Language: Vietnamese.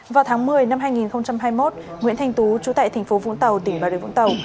vào tháng một mươi năm hai nghìn hai mươi một nguyễn thành tú trú tại tp vũng tàu tỉnh bà rồi vũng tàu